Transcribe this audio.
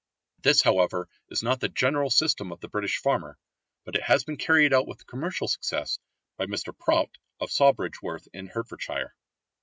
This however is not the general system of the British farmer, but it has been carried out with commercial success by Mr Prout of Sawbridgeworth in Hertfordshire.